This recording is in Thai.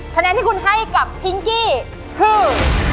คะแนนที่คุณให้กับพิงกี้คือ